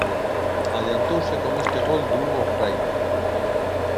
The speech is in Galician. Adiantouse con este gol de Hugo Fraile.